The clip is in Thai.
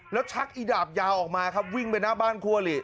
แล้วชักอีดาบยาวออกมาครับวิ่งไปหน้าบ้านคั่วหลี